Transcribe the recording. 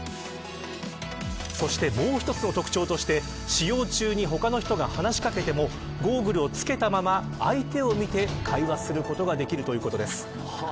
そして、もう一つの特徴として使用中に他の人が話し掛けてもゴーグルを着けたまま相手を見て会話することができるということです。